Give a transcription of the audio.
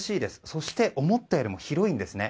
そして、思ったよりも広いですね。